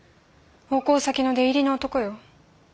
奉公先の出入りの男よ。